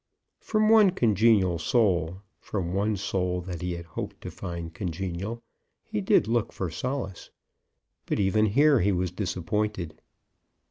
From one congenial soul, from one soul that he had hoped to find congenial, he did look for solace; but even here he was disappointed.